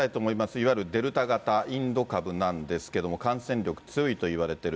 いわゆるデルタ型、インド株なんですけれども、感染力、強いといわれている。